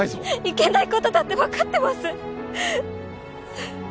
いけない事だってわかってます！